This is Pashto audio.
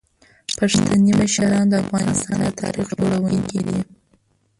پښتني مشران د افغانستان د تاریخ جوړونکي دي.